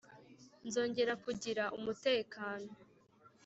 nzongera kugira umutekano